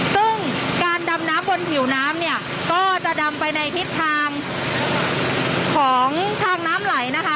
ซึ่งการดำน้ำบนผิวน้ำเนี่ยก็จะดำไปในทิศทางของทางน้ำไหลนะคะ